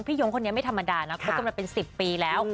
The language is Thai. พี่ย้งคนนี้ไม่ธรรมดานะเขากำลังเป็น๑๐ปีแล้ว